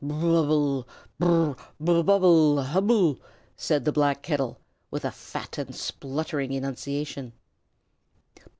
"Bubble! b r r r r! bubble! hubble!" said the black kettle, with a fat and spluttering enunciation.